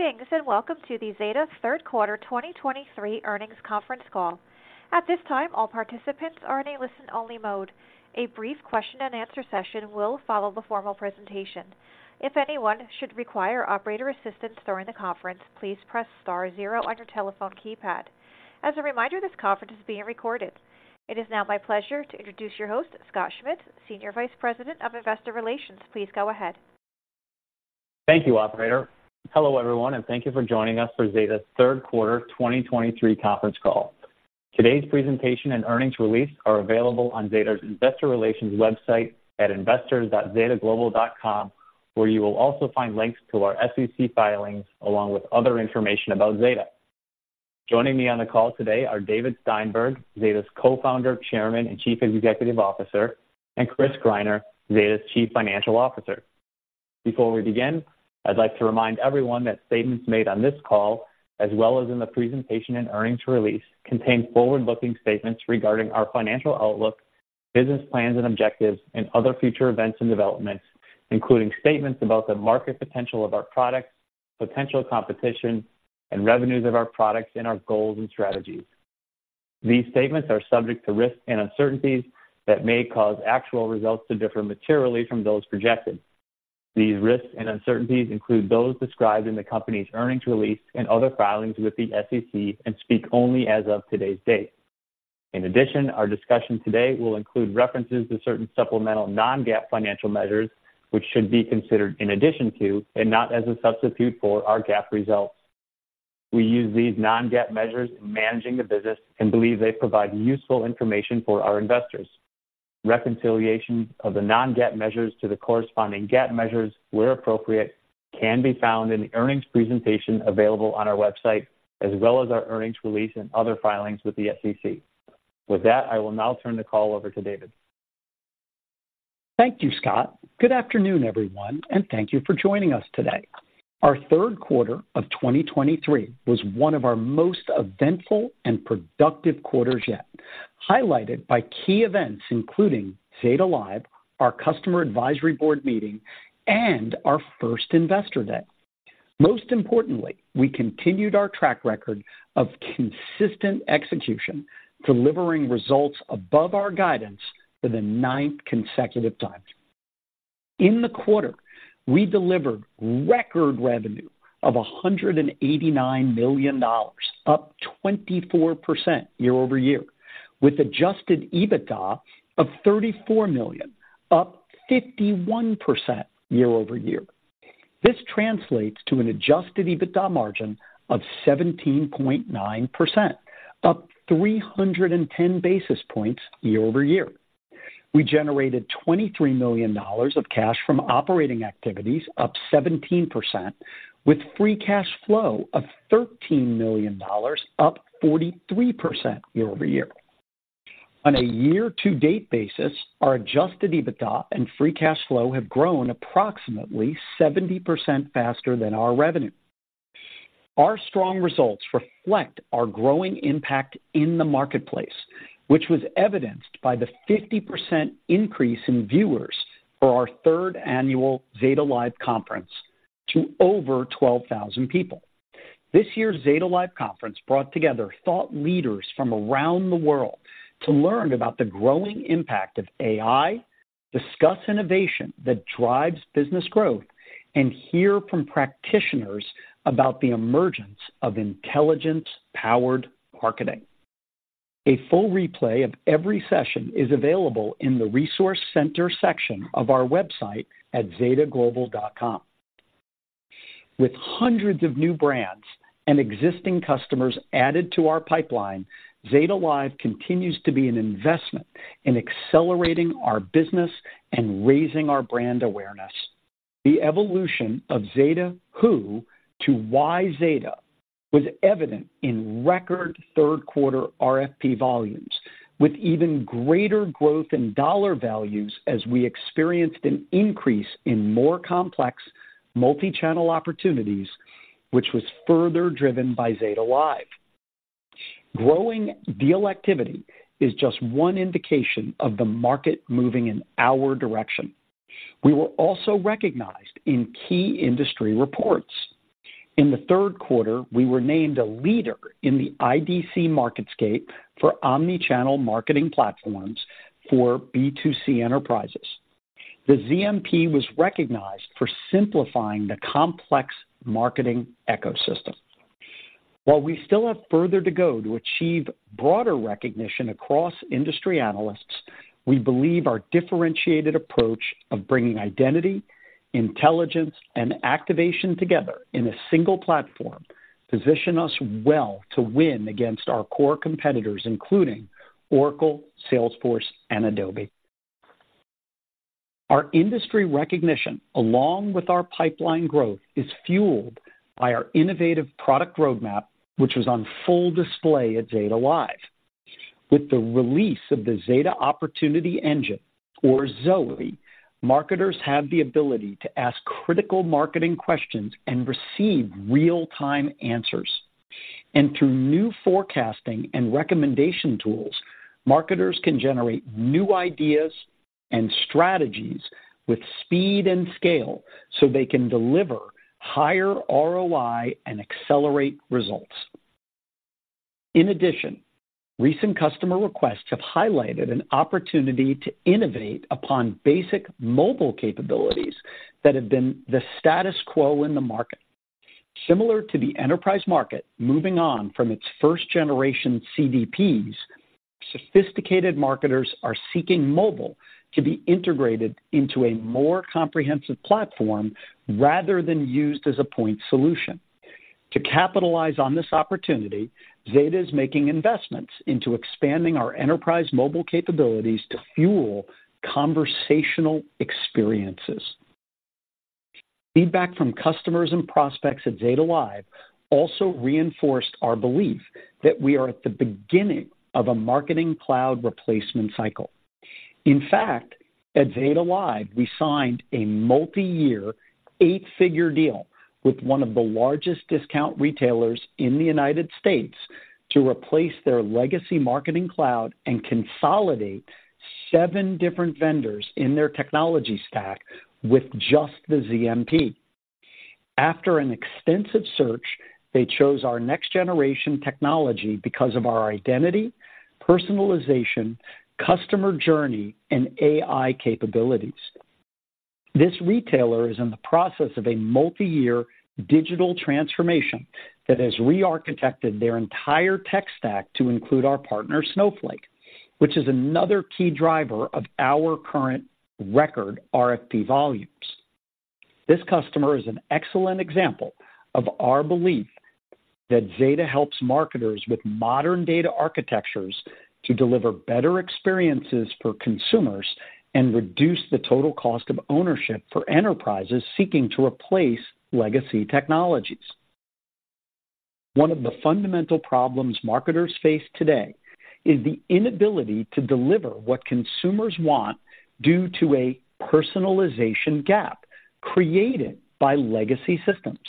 Greetings, and welcome to the Zeta 3Q 2023 earnings conference call. At this time, all participants are in a listen-only mode. A brief question-and-answer session will follow the formal presentation. If anyone should require operator assistance during the conference, please press star zero on your telephone keypad. As a reminder, this conference is being recorded. It is now my pleasure to introduce your host, Scott Schmitz, Senior Vice President of Investor Relations. Please go ahead. Thank you, operator. Hello, everyone, and thank you for joining us for Zeta's 3Q 2023 conference call. Today's presentation and earnings release are available on Zeta's investor relations website at investors.zetaglobal.com, where you will also find links to our SEC filings, along with other information about Zeta. Joining me on the call today are David Steinberg, Zeta's Co-Founder, Chairman, and Chief Executive Officer, and Chris Greiner, Zeta's Chief Financial Officer. Before we begin, I'd like to remind everyone that statements made on this call, as well as in the presentation and earnings release, contain forward-looking statements regarding our financial outlook, business plans and objectives, and other future events and developments, including statements about the market potential of our products, potential competition and revenues of our products, and our goals and strategies. These statements are subject to risks and uncertainties that may cause actual results to differ materially from those projected. These risks and uncertainties include those described in the company's earnings release and other filings with the SEC, and speak only as of today's date. In addition, our discussion today will include references to certain supplemental non-GAAP financial measures, which should be considered in addition to and not as a substitute for, our GAAP results. We use these non-GAAP measures in managing the business and believe they provide useful information for our investors. Reconciliation of the non-GAAP measures to the corresponding GAAP measures, where appropriate, can be found in the earnings presentation available on our website, as well as our earnings release and other filings with the SEC. With that, I will now turn the call over to David. Thank you, Scott. Good afternoon, everyone, and thank you for joining us today. Our 3Q of 2023 was one of our most eventful and productive quarters yet, highlighted by key events including Zeta Live, our Customer Advisory Board meeting, and our first Investor Day. Most importantly, we continued our track record of consistent execution, delivering results above our guidance for the ninth consecutive time. In the quarter, we delivered record revenue of $189 million, up 24% year-over-year, with Adjusted EBITDA of $34 million, up 51% year-over-year. This translates to an Adjusted EBITDA margin of 17.9%, up 310 basis points year-over-year. We generated $23 million of cash from operating activities, up 17%, with free cash flow of $13 million, up 43% year-over-year. On a year-to-date basis, our adjusted EBITDA and free cash flow have grown approximately 70% faster than our revenue. Our strong results reflect our growing impact in the marketplace, which was evidenced by the 50% increase in viewers for our third annual Zeta Live conference to over 12,000 people. This year's Zeta Live conference brought together thought leaders from around the world to learn about the growing impact of AI, discuss innovation that drives business growth, and hear from practitioners about the emergence of intelligence-powered marketing. A full replay of every session is available in the Resource Center section of our website at zetaglobal.com. With hundreds of new brands and existing customers added to our pipeline, Zeta Live continues to be an investment in accelerating our business and raising our brand awareness. The evolution of Zeta Who to Why Zeta was evident in record 3Q RFP volumes, with even greater growth in dollar values as we experienced an increase in more complex multi-channel opportunities, which was further driven by ZetaLive. Growing deal activity is just one indication of the market moving in our direction. We were also recognized in key industry reports. In the 3Q, we were named a leader in the IDC MarketScape for Omnichannel Marketing Platforms for B2C enterprises. The ZMP was recognized for simplifying the complex marketing ecosystem. While we still have further to go to achieve broader recognition across industry analysts, we believe our differentiated approach of bringing identity, intelligence, and activation together in a single platform position us well to win against our core competitors, including Oracle, Salesforce, and Adobe. Our industry recognition, along with our pipeline growth, is fueled by our innovative product roadmap, which was on full display at Zeta Live. With the release of the Zeta Opportunity Engine, or ZOE, marketers have the ability to ask critical marketing questions and receive real-time answers... and through new forecasting and recommendation tools, marketers can generate new ideas and strategies with speed and scale so they can deliver higher ROI and accelerate results. In addition, recent customer requests have highlighted an opportunity to innovate upon basic mobile capabilities that have been the status quo in the market. Similar to the enterprise market moving on from its first generation CDPs, sophisticated marketers are seeking mobile to be integrated into a more comprehensive platform rather than used as a point solution. To capitalize on this opportunity, Zeta is making investments into expanding our enterprise mobile capabilities to fuel conversational experiences. Feedback from customers and prospects at Zeta Live also reinforced our belief that we are at the beginning of a marketing cloud replacement cycle. In fact, at Zeta Live, we signed a multi-year, eight-figure deal with one of the largest discount retailers in the United States to replace their legacy marketing cloud and consolidate seven different vendors in their technology stack with just the ZMP. After an extensive search, they chose our next generation technology because of our identity, personalization, customer journey, and AI capabilities. This retailer is in the process of a multi-year digital transformation that has rearchitected their entire tech stack to include our partner, Snowflake, which is another key driver of our current record RFP volumes. This customer is an excellent example of our belief that Zeta helps marketers with modern data architectures to deliver better experiences for consumers and reduce the total cost of ownership for enterprises seeking to replace legacy technologies. One of the fundamental problems marketers face today is the inability to deliver what consumers want due to a personalization gap created by legacy systems.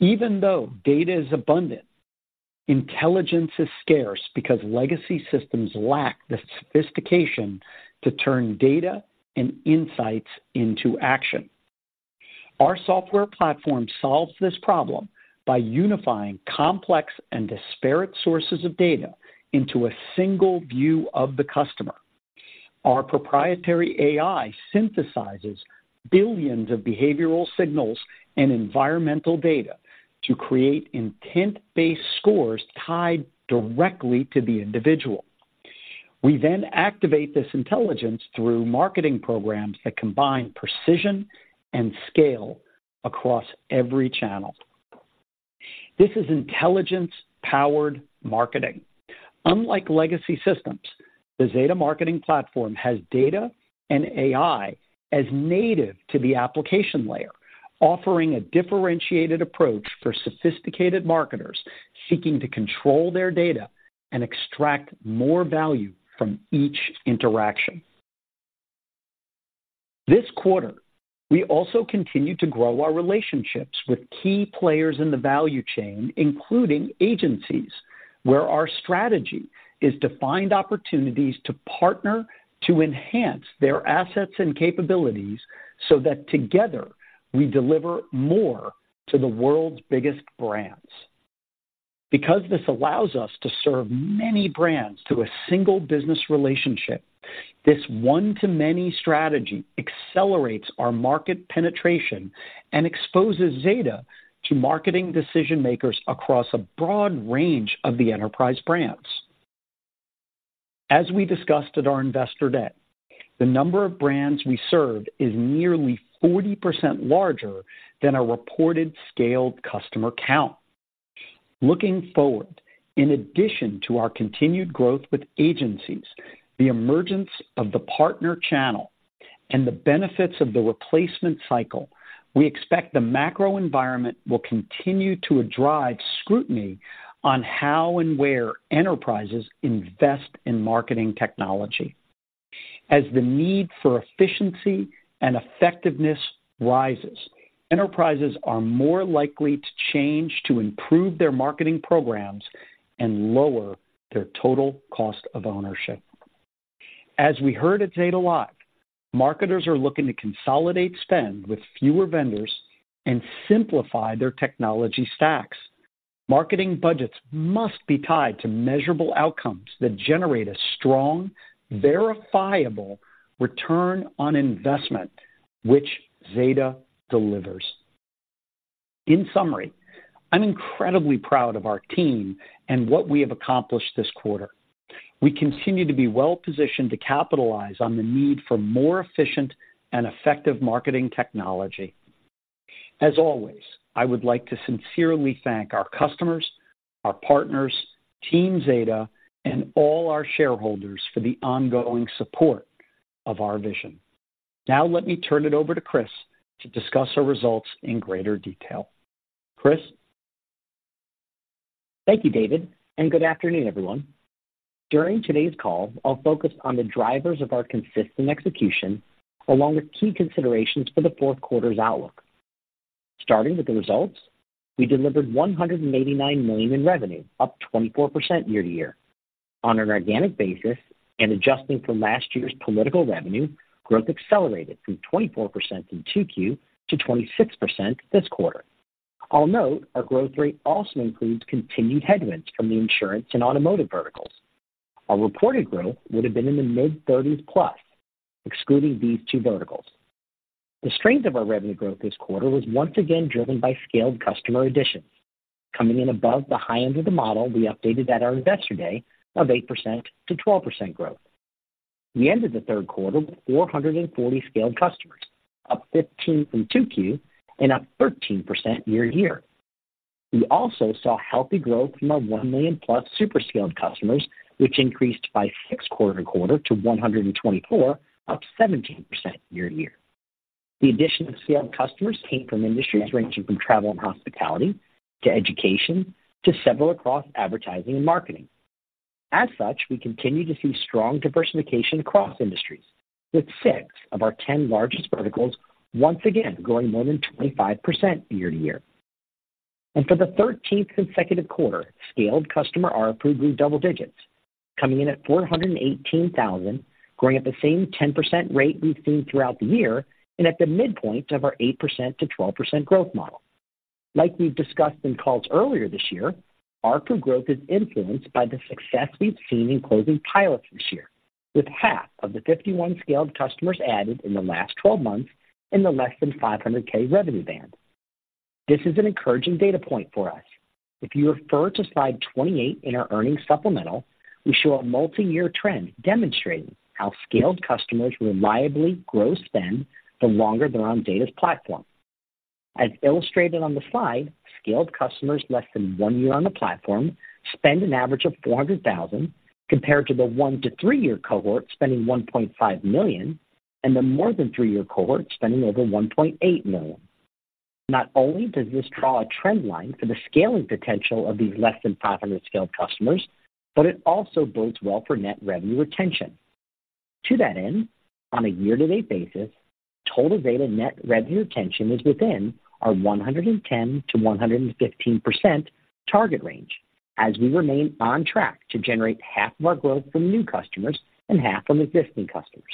Even though data is abundant, intelligence is scarce because legacy systems lack the sophistication to turn data and insights into action. Our software platform solves this problem by unifying complex and disparate sources of data into a single view of the customer. Our proprietary AI synthesizes billions of behavioral signals and environmental data to create intent-based scores tied directly to the individual. We then activate this intelligence through marketing programs that combine precision and scale across every channel. This is intelligence-powered marketing. Unlike legacy systems, the Zeta Marketing Platform has data and AI as native to the application layer, offering a differentiated approach for sophisticated marketers seeking to control their data and extract more value from each interaction. This quarter, we also continued to grow our relationships with key players in the value chain, including agencies, where our strategy is to find opportunities to partner, to enhance their assets and capabilities, so that together, we deliver more to the world's biggest brands. Because this allows us to serve many brands through a single business relationship, this one-to-many strategy accelerates our market penetration and exposes Zeta to marketing decision-makers across a broad range of the enterprise brands. As we discussed at our Investor Day, the number of brands we serve is nearly 40% larger than our reported scaled customer count. Looking forward, in addition to our continued growth with agencies, the emergence of the partner channel, and the benefits of the replacement cycle, we expect the macro environment will continue to drive scrutiny on how and where enterprises invest in marketing technology. As the need for efficiency and effectiveness rises, enterprises are more likely to change to improve their marketing programs and lower their total cost of ownership. As we heard at Zeta Live, marketers are looking to consolidate spend with fewer vendors and simplify their technology stacks. Marketing budgets must be tied to measurable outcomes that generate a strong, verifiable return on investment, which Zeta delivers. In summary, I'm incredibly proud of our team and what we have accomplished this quarter. We continue to be well-positioned to capitalize on the need for more efficient and effective marketing technology. As always, I would like to sincerely thank our customers, our partners, Team Zeta, and all our shareholders for the ongoing support of our vision. Now, let me turn it over to Chris to discuss our results in greater detail. Chris? Thank you, David, and good afternoon, everyone. During today's call, I'll focus on the drivers of our consistent execution, along with key considerations for the 4Q's outlook. Starting with the results, we delivered $189 million in revenue, up 24% year-over-year. On an organic basis and adjusting for last year's political revenue, growth accelerated from 24% in Q2 to 26% this quarter. I'll note our growth rate also includes continued headwinds from the insurance and automotive verticals. Our reported growth would have been in the mid-30s+, excluding these two verticals. The strength of our revenue growth this quarter was once again driven by scaled customer additions, coming in above the high end of the model we updated at our Investor Day of 8%-12% growth. We ended the 3Q with 440 scaled customers, up 15 from Q2 and up 13% year-to-year. We also saw healthy growth from our 1 million+ Super-Scaled Customers, which increased by 6 quarter-to-quarter to 124, up 17% year-to-year. The addition of scaled customers came from industries ranging from travel and hospitality, to education, to several across advertising and marketing. As such, we continue to see strong diversification across industries, with six of our ten largest verticals once again growing more than 25% year-to-year. And for the 13th consecutive quarter, scaled customer ARPU grew double digits, coming in at $418,000, growing at the same 10% rate we've seen throughout the year and at the midpoint of our 8%-12% growth model. Like we've discussed in calls earlier this year, ARPU growth is influenced by the success we've seen in closing pilots this year, with 1/2 of the 51 scaled customers added in the last 12 months in the less than $500K revenue band. This is an encouraging data point for us. If you refer to slide 28 in our earnings supplemental, we show a multi-year trend demonstrating how scaled customers reliably grow spend the longer they're on Zeta's platform. As illustrated on the slide, scaled customers less than 1 year on the platform spend an average of $400,000, compared to the 1-3-year cohort spending $1.5 million and the more than 3-year cohort spending over $1.8 million. Not only does this draw a trend line for the scaling potential of these less than 500 scaled customers, but it also bodes well for net revenue retention. To that end, on a year-to-date basis, total Zeta net revenue retention is within our 110%-115% target range, as we remain on track to generate half of our growth from new customers and half from existing customers.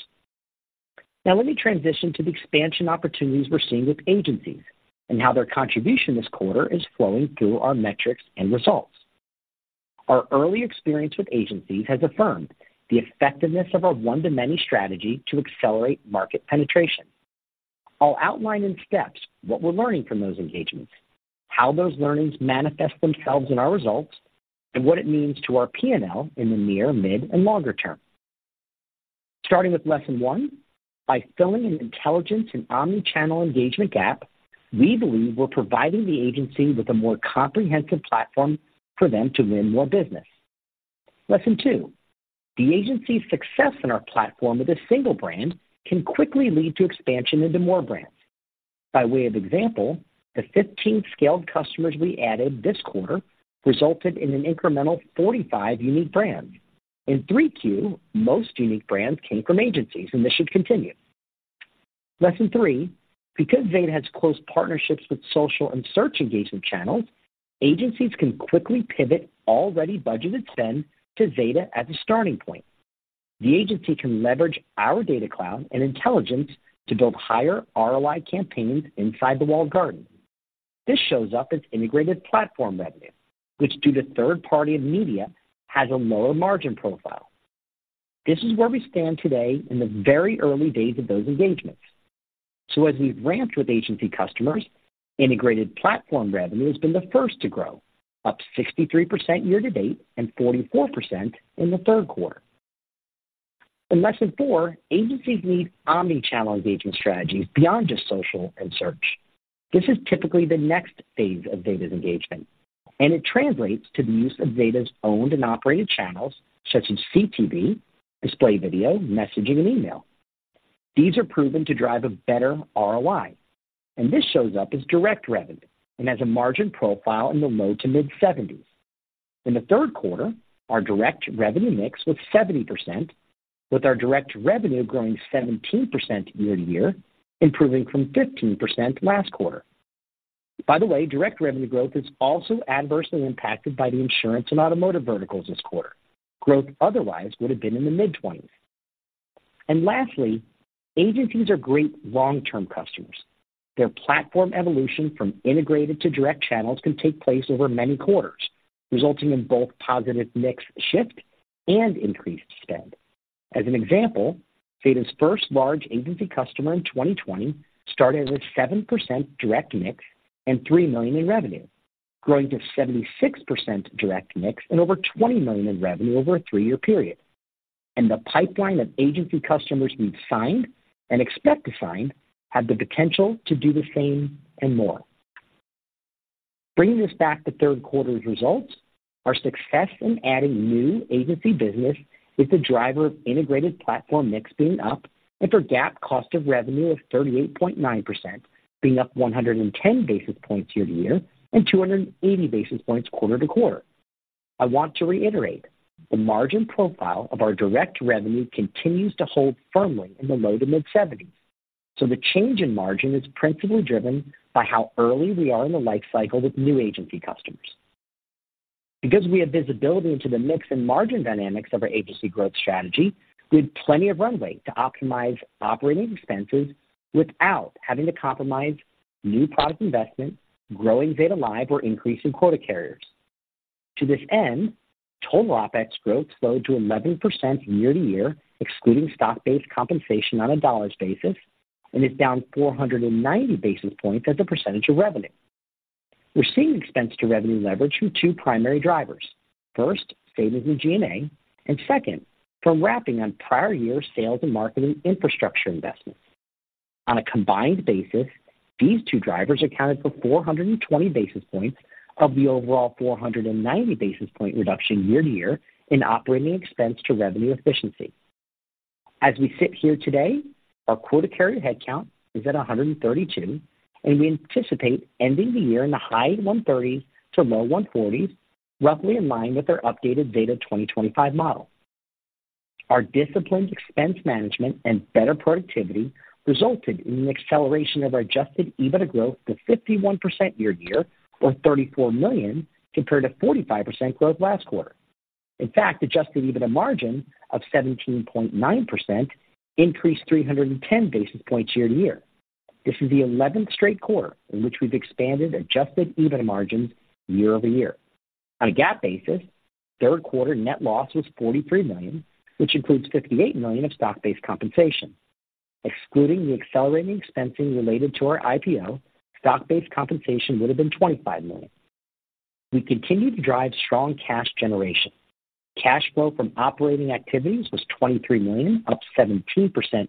Now, let me transition to the expansion opportunities we're seeing with agencies and how their contribution this quarter is flowing through our metrics and results. Our early experience with agencies has affirmed the effectiveness of our one-to-many strategy to accelerate market penetration. I'll outline in steps what we're learning from those engagements, how those learnings manifest themselves in our results, and what it means to our P&L in the near, mid, and longer term. Starting with lesson 1, by filling an intelligence and Omnichannel engagement gap, we believe we're providing the agency with a more comprehensive platform for them to win more business. Lesson 2, the agency's success in our platform with a single brand can quickly lead to expansion into more brands. By way of example, the 15 scaled customers we added this quarter resulted in an incremental 45 unique brands. In Q3, most unique brands came from agencies, and this should continue. Lesson 3, because Zeta has close partnerships with social and search engagement channels, agencies can quickly pivot already budgeted spend to Zeta as a starting point. The agency can leverage our data cloud and intelligence to build higher ROI campaigns inside the Walled Garden. This shows up as integrated platform revenue, which, due to third-party media, has a lower margin profile. This is where we stand today in the very early days of those engagements. So as we've ramped with agency customers, integrated platform revenue has been the first to grow, up 63% year-to-date and 44% in the 3Q. In lesson four, agencies need omnichannel engagement strategies beyond just social and search. This is typically the next phase of Zeta's engagement, and it translates to the use of Zeta's owned and operated channels, such as CTV, display video, messaging, and email. These are proven to drive a better ROI, and this shows up as direct revenue and as a margin profile in the low to mid-70s. In the 3Q, our direct revenue mix was 70%, with our direct revenue growing 17% year-over-year, improving from 15% last quarter. By the way, direct revenue growth is also adversely impacted by the insurance and automotive verticals this quarter. Growth otherwise would have been in the mid-20s. Lastly, agencies are great long-term customers. Their platform evolution from integrated to direct channels can take place over many quarters, resulting in both positive mix shift and increased spend. As an example, Zeta's first large agency customer in 2020 started with 7% direct mix and $3 million in revenue, growing to 76% direct mix and over $20 million in revenue over a 3-year period. And the pipeline of agency customers we've signed and expect to sign have the potential to do the same and more. Bringing this back to 3Q's results, our success in adding new agency business is the driver of integrated platform mix being up and our GAAP cost of revenue of 38.9%, being up 110 basis points year-over-year and 280 basis points quarter-over-quarter. I want to reiterate, the margin profile of our direct revenue continues to hold firmly in the low-to-mid 70s, so the change in margin is principally driven by how early we are in the life cycle with new agency customers. Because we have visibility into the mix and margin dynamics of our agency growth strategy, we have plenty of runway to optimize operating expenses without having to compromise new product investment, growing Zeta Live, or increasing quota carriers. To this end, total OpEx growth slowed to 11% year-over-year, excluding stock-based compensation on a dollars basis, and is down 490 basis points as a percentage of revenue. We're seeing expense to revenue leverage from two primary drivers. First, savings in G&A, and second, from wrapping on prior year sales and marketing infrastructure investments. On a combined basis, these 2 drivers accounted for 420 basis points of the overall 490 basis point reduction year-over-year in operating expense to revenue efficiency. As we sit here today, our quota carrier headcount is at 132, and we anticipate ending the year in the high 130s to low 140s, roughly in line with our updated Zeta 2025 model. Our disciplined expense management and better productivity resulted in an acceleration of our Adjusted EBITDA growth to 51% year-over-year, or $34 million, compared to 45% growth last quarter. In fact, Adjusted EBITDA margin of 17.9% increased 310 basis points year-over-year. This is the 11th straight quarter in which we've expanded Adjusted EBITDA margins year-over-year. On a GAAP basis, 3Q net loss was $43 million, which includes $58 million of stock-based compensation. Excluding the accelerating expensing related to our IPO, stock-based compensation would have been $25 million. We continue to drive strong cash generation. Cash flow from operating activities was $23 million, up 17%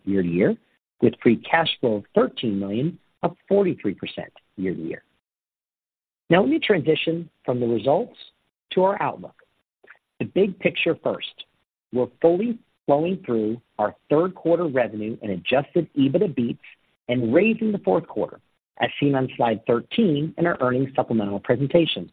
year-over-year, with free cash flow of $13 million, up 43% year-over-year. Now let me transition from the results to our outlook. The big picture first, we're fully flowing through our 3Q revenue and Adjusted EBITDA beats and raising the 4Q, as seen on slide 13 in our earnings supplemental presentation.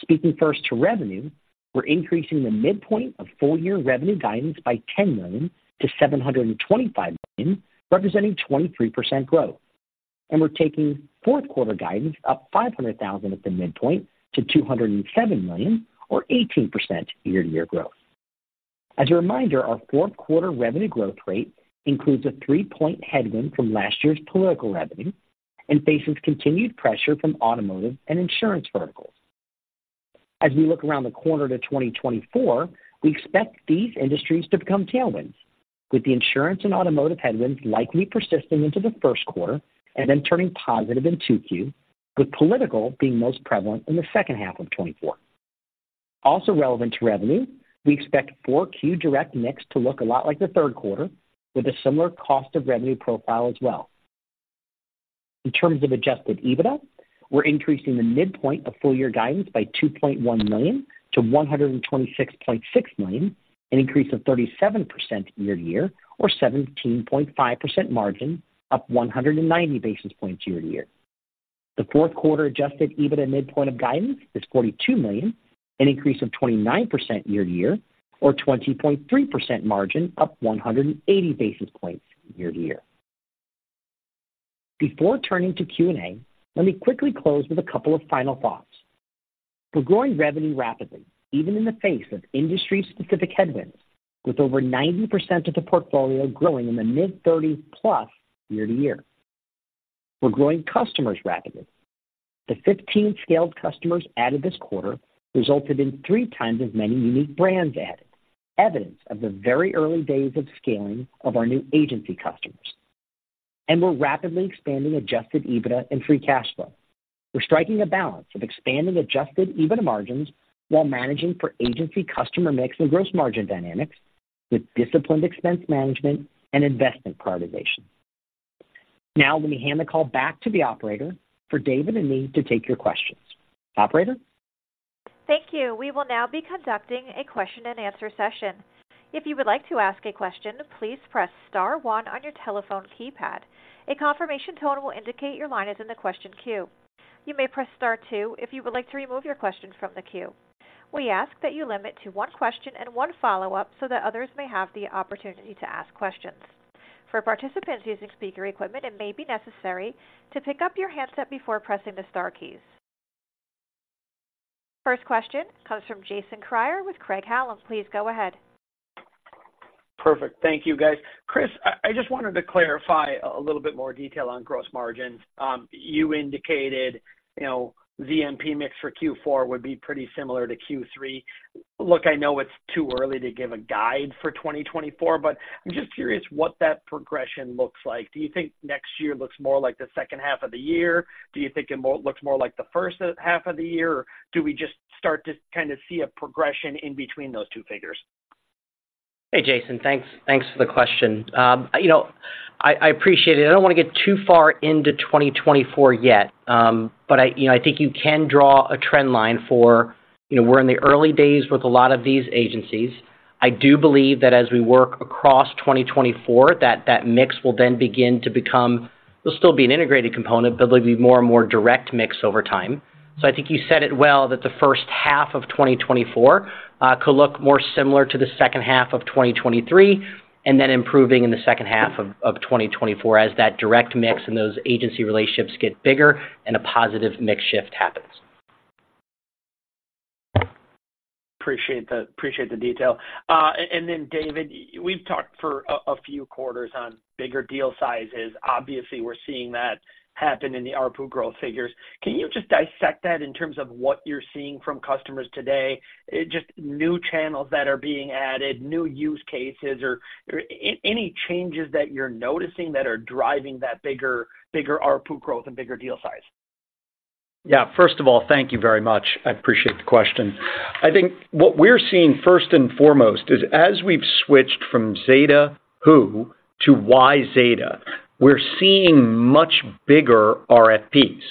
Speaking first to revenue, we're increasing the midpoint of full year revenue guidance by $10 million to $725 million, representing 23% growth. We're taking 4Q guidance up $500,000 at the midpoint to $207 million, or 18% year-to-year growth. As a reminder, our 4Q revenue growth rate includes a 3-point headwind from last year's political revenue and faces continued pressure from automotive and insurance verticals. As we look around the corner to 2024, we expect these industries to become tailwinds, with the insurance and automotive headwinds likely persisting into the 1Q and then turning positive in 2Q, with political being most prevalent in the H2 of 2024. Also relevant to revenue, we expect 4Q direct mix to look a lot like the 3Q, with a similar cost of revenue profile as well. In terms of Adjusted EBITDA, we're increasing the midpoint of full year guidance by $2.1 million to $126.6 million, an increase of 37% year-over-year, or 17.5% margin, up 190 basis points year-over-year. The 4Q Adjusted EBITDA midpoint of guidance is $42 million, an increase of 29% year-over-year, or 20.3% margin, up 180 basis points year-over-year. Before turning to Q&A, let me quickly close with a couple of final thoughts. We're growing revenue rapidly, even in the face of industry-specific headwinds, with over 90% of the portfolio growing in the mid-30s+ year-over-year. We're growing customers rapidly. The 15 scaled customers added this quarter resulted in three times as many unique brands added, evidence of the very early days of scaling of our new agency customers. And we're rapidly expanding Adjusted EBITDA and Free Cash Flow. We're striking a balance of expanding Adjusted EBITDA margins while managing for agency customer mix and gross margin dynamics with disciplined expense management and investment prioritization. Now, let me hand the call back to the operator for David and me to take your questions. Operator? Thank you. We will now be conducting a question and answer session. If you would like to ask a question, please press star one on your telephone keypad. A confirmation tone will indicate your line is in the question queue. You may press star 2 if you would like to remove your question from the queue. We ask that you limit to one question and one follow-up so that others may have the opportunity to ask questions. For participants using speaker equipment, it may be necessary to pick up your handset before pressing the star keys. First question comes from Jason Kreyer with Craig-Hallum. Please go ahead. Perfect. Thank you, guys. Chris, I, I just wanted to clarify a little bit more detail on gross margins. You indicated, you know, ZMP mix for Q4 would be pretty similar to Q3. Look, I know it's too early to give a guide for 2024, but I'm just curious what that progression looks like. Do you think next year looks more like the H2 of the year? Do you think it looks more like the H1 of the year? Or do we just start to kind of see a progression in between those two figures? Hey, Jason, thanks. Thanks for the question. You know, I appreciate it. I don't want to get too far into 2024 yet, but you know, I think you can draw a trend line for, you know, we're in the early days with a lot of these agencies.... I do believe that as we work across 2024, that mix will then begin to become, there'll still be an integrated component, but there'll be more and more direct mix over time. So I think you said it well, that the H1 of 2024 could look more similar to the H2 of 2023, and then improving in the H2 of 2024 as that direct mix and those agency relationships get bigger and a positive mix shift happens. Appreciate the, appreciate the detail. And then David, we've talked for a few quarters on bigger deal sizes. Obviously, we're seeing that happen in the ARPU growth figures. Can you just dissect that in terms of what you're seeing from customers today? Just new channels that are being added, new use cases, or any changes that you're noticing that are driving that bigger, bigger ARPU growth and bigger deal size? Yeah. First of all, thank you very much. I appreciate the question. I think what we're seeing first and foremost is as we've switched from Zeta who to why Zeta, we're seeing much bigger RFPs,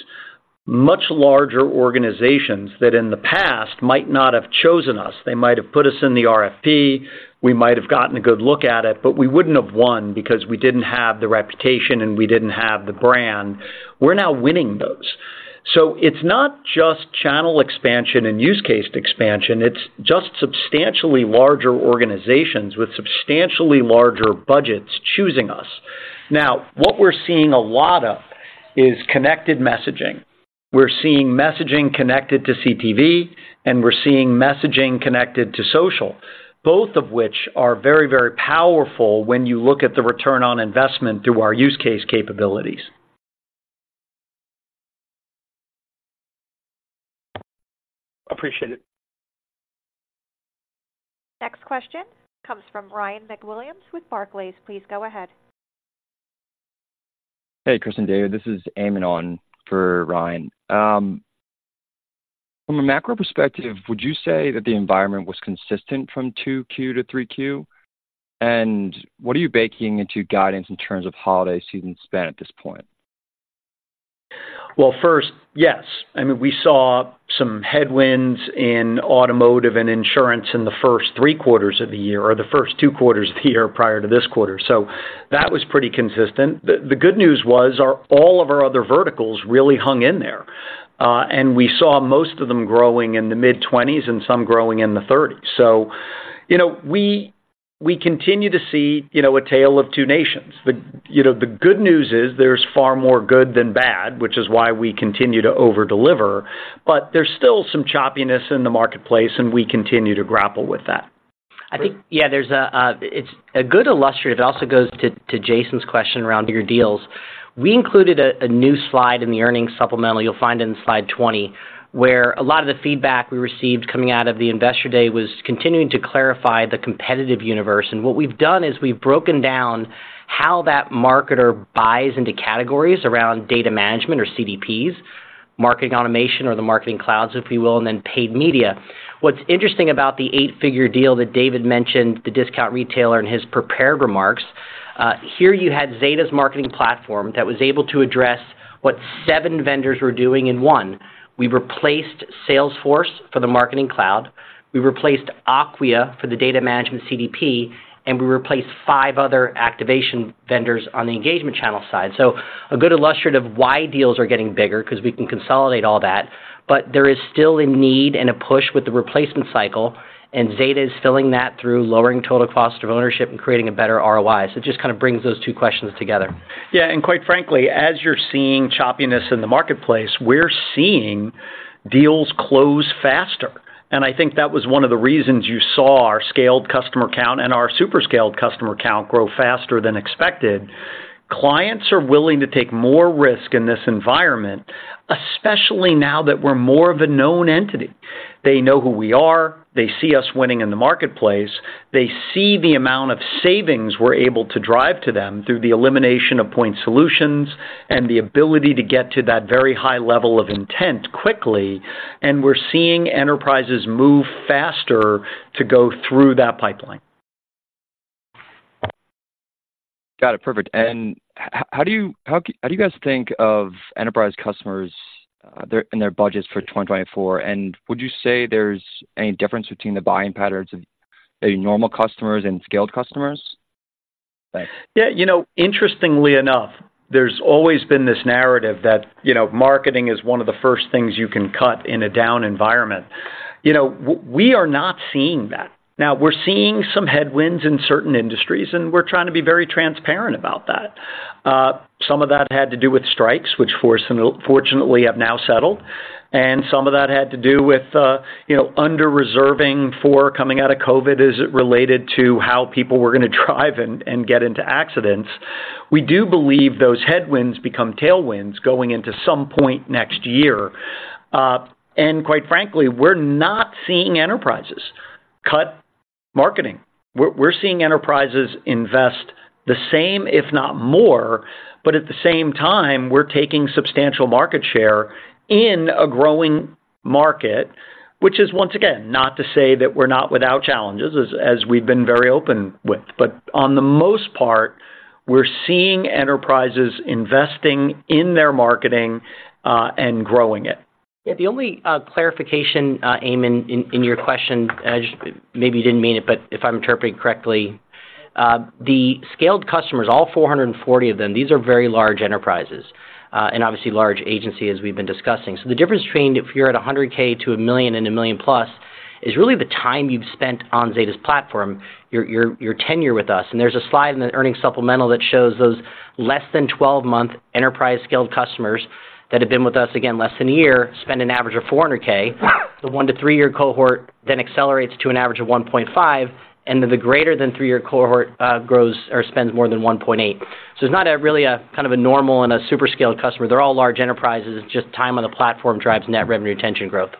much larger organizations that in the past might not have chosen us. They might have put us in the RFP, we might have gotten a good look at it, but we wouldn't have won because we didn't have the reputation and we didn't have the brand. We're now winning those. So it's not just channel expansion and use case expansion, it's just substantially larger organizations with substantially larger budgets choosing us. Now, what we're seeing a lot of is connected messaging. We're seeing messaging connected to CTV, and we're seeing messaging connected to social, both of which are very, very powerful when you look at the return on investment through our use case capabilities. Appreciate it. Next question comes from Ryan MacWilliams with Barclays. Please go ahead. Hey, Chris and David, this is Eamon on for Ryan. From a macro perspective, would you say that the environment was consistent from 2Q to 3Q? And what are you baking into guidance in terms of holiday season spend at this point? Well, first, yes. I mean, we saw some headwinds in automotive and insurance in the first three quarters of the year, or the first two quarters of the year prior to this quarter. That was pretty consistent. The good news was, all of our other verticals really hung in there, and we saw most of them growing in the mid-20s and some growing in the 30s. You know, we continue to see, you know, a tale of 2 nations. The good news is there's far more good than bad, which is why we continue to over-deliver, but there's still some choppiness in the marketplace, and we continue to grapple with that. I think, yeah, there's a, it's a good illustrator. It also goes to Jason's question around bigger deals. We included a new slide in the earnings supplemental you'll find in slide 20, where a lot of the feedback we received coming out of the Investor Day was continuing to clarify the competitive universe. And what we've done is we've broken down how that marketer buys into categories around data management or CDPs, marketing automation, or the marketing clouds, if you will, and then paid media. What's interesting about the eight-figure deal that David mentioned, the discount retailer in his prepared remarks, here you had Zeta Marketing Platform that was able to address what seven vendors were doing in one. We replaced Salesforce for the marketing cloud, we replaced Acquia for the data management CDP, and we replaced five other activation vendors on the engagement channel side. So, a good illustrative of why deals are getting bigger, 'cause we can consolidate all that, but there is still a need and a push with the replacement cycle, and Zeta is filling that through lowering total cost of ownership and creating a better ROI. So it just kind of brings those two questions together. Yeah, and quite frankly, as you're seeing choppiness in the marketplace, we're seeing deals close faster, and I think that was one of the reasons you saw our scaled customer count and our super scaled customer count grow faster than expected. Clients are willing to take more risk in this environment, especially now that we're more of a known entity. They know who we are, they see us winning in the marketplace, they see the amount of savings we're able to drive to them through the elimination of point solutions and the ability to get to that very high level of intent quickly, and we're seeing enterprises move faster to go through that pipeline. Got it. Perfect. And how do you guys think of enterprise customers and their budgets for 2024? And would you say there's any difference between the buying patterns of a normal customers and scaled customers? Thanks. Yeah, you know, interestingly enough, there's always been this narrative that, you know, marketing is one of the first things you can cut in a down environment. You know, we are not seeing that. Now, we're seeing some headwinds in certain industries, and we're trying to be very transparent about that. Some of that had to do with strikes, which fortunately have now settled, and some of that had to do with, you know, under-reserving for coming out of COVID as it related to how people were gonna drive and get into accidents. We do believe those headwinds become tailwinds going into some point next year. And quite frankly, we're not seeing enterprises cut marketing. We're seeing enterprises invest the same, if not more, but at the same time, we're taking substantial market share in a growing market, which is once again, not to say that we're not without challenges, as we've been very open with, but on the most part, we're seeing enterprises investing in their marketing and growing it. Yeah, the only clarification, Eamon, in your question, and I just maybe you didn't mean it, but if I'm interpreting correctly, the scaled customers, all 440 of them, these are very large enterprises, and obviously large agencies, as we've been discussing. The difference between if you're at $100,000 - $1 million and $1 million+ is really the time you've spent on Zeta's platform, your tenure with us. There's a slide in the earnings supplemental that shows those less than 12-month enterprise-scaled customers that have been with us, again, less than a year, spend an average of $400,000. The one to three-year cohort then accelerates to an average of $1.5 million, and the greater than three-year cohort grows or spends more than $1.8 million. So it's not really a kind of normal and a super scaled customer. They're all large enterprises. It's just time on the platform drives Net Revenue Retention growth.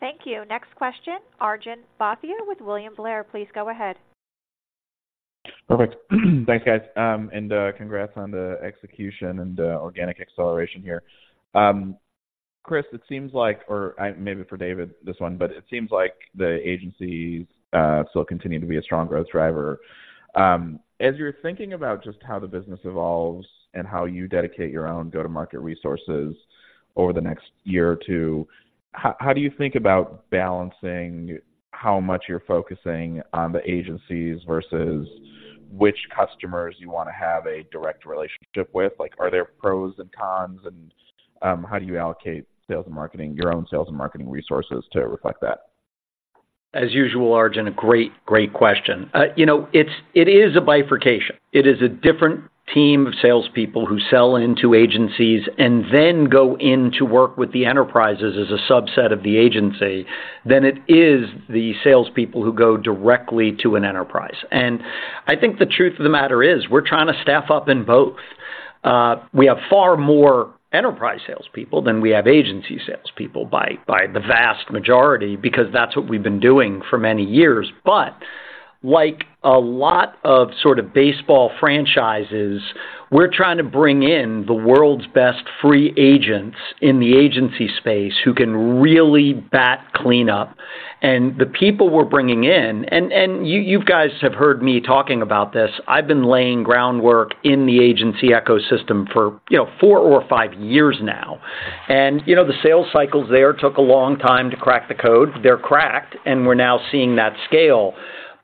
Thank you. Next question, Arjun Bhatia with William Blair. Please go ahead. Perfect. Thanks, guys. And, congrats on the execution and, organic acceleration here. Chris, it seems like or, maybe for David, this one, but it seems like the agencies, still continue to be a strong growth driver. As you're thinking about just how the business evolves and how you dedicate your own go-to-market resources over the next year or two, how, how do you think about balancing how much you're focusing on the agencies versus which customers you wanna have a direct relationship with? Like, are there pros and cons, and, how do you allocate sales and marketing, your own sales and marketing resources to reflect that? As usual, Arjun, a great, great question. You know, it's a bifurcation. It is a different team of salespeople who sell into agencies and then go in to work with the enterprises as a subset of the agency than it is the salespeople who go directly to an enterprise. And I think the truth of the matter is, we're trying to staff up in both. We have far more enterprise salespeople than we have agency salespeople by, by the vast majority, because that's what we've been doing for many years. But like a lot of sort of baseball franchises, we're trying to bring in the world's best free agents in the agency space who can really bat cleanup. The people we're bringing in, and you guys have heard me talking about this, I've been laying groundwork in the agency ecosystem for, you know, four or five years now. You know, the sales cycles there took a long time to crack the code. They're cracked, and we're now seeing that scale.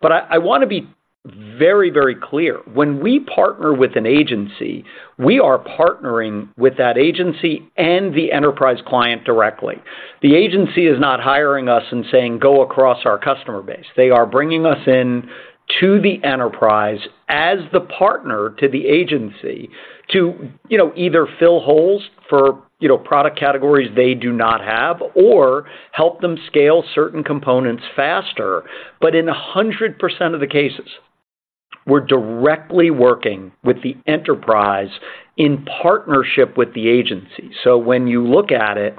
But I wanna be very, very clear. When we partner with an agency, we are partnering with that agency and the enterprise client directly. The agency is not hiring us and saying, "Go across our customer base." They are bringing us in to the enterprise as the partner to the agency to, you know, either fill holes for, you know, product categories they do not have or help them scale certain components faster. But in 100% of the cases, we're directly working with the enterprise in partnership with the agency. When you look at it,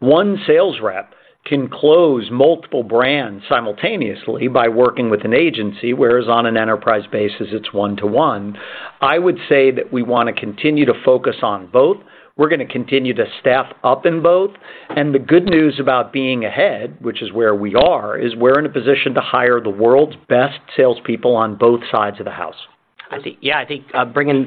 one sales rep can close multiple brands simultaneously by working with an agency, whereas on an enterprise basis, it's one-to-one. I would say that we wanna continue to focus on both. We're gonna continue to staff up in both. The good news about being ahead, which is where we are, is we're in a position to hire the world's best salespeople on both sides of the house. I think, yeah, I think bringing...